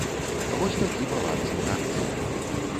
Вось такі баланс інтарэсаў.